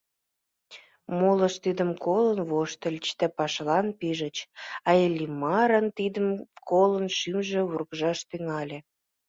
Молышт тидым колын воштыльыч да пашалан пижыч, а Иллимарын, тидым колын, шӱмжӧ вургыжаш тӱҥале.